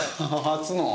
初の。